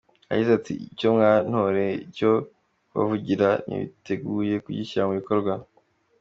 Yagize ati “Icyo mwantotereye cyo kubavugira niteguye kugishyira mu bikorwa.